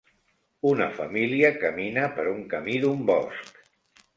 Una família camina per un camí d'un bosc.